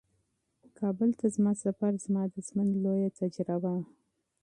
کابل ته زما سفر زما د ژوند یوه لویه تجربه وه.